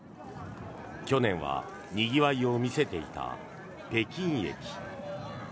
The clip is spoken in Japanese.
去年は、にぎわいを見せていた北京駅。